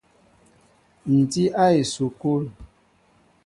Ǹ tí a esukul.